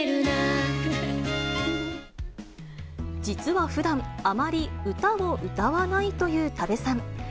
実はふだん、あまり歌を歌わないという多部さん。